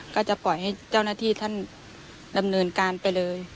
ก็จะปล่อยให้เจ้าหน้าที่ท่านดำเนินการไปเลย